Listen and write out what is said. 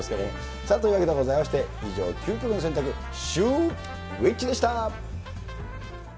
さあ、というわけでございまして、以上、究極の選択、シューＷｈｉｃｈでした。